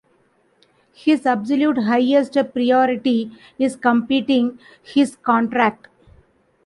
His absolute highest priority is completing his contract.